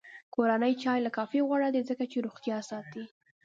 کورنی چای له کافي غوره دی، ځکه چې روغتیا ساتي.